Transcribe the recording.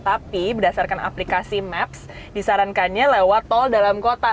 tapi berdasarkan aplikasi maps disarankannya lewat tol dalam kota